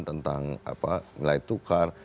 tentang nilai tukar